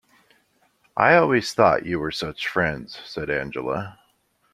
"I always thought you were such friends," said Angela.